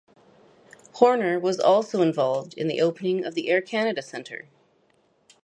Horner was also involved in the opening of the Air Canada Centre.